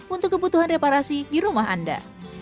untuk kebutuhan reparasi di rumah anda